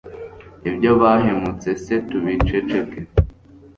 ibyo bahemutse se tubiceceke